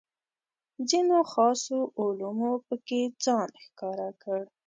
ځینو خاصو علومو پکې ځان ښکاره کړ.